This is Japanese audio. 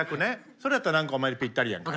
それやったら何かお前にぴったりやんか。